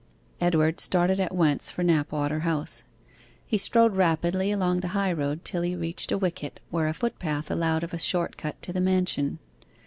Edward started at once for Knapwater House. He strode rapidly along the high road, till he reached a wicket where a footpath allowed of a short cut to the mansion.